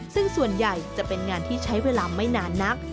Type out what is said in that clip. ซึ่งส่วนใหญ่จะเป็นงานที่ใช้เวลาไม่นานนัก